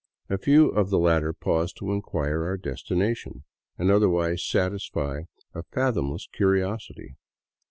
A few of the latter paused to inquire our destination and otherwise satisfy a fathomless curiosity.